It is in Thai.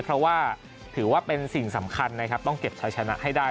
เพราะว่าถือว่าเป็นสิ่งสำคัญนะครับต้องเก็บใช้ชนะให้ได้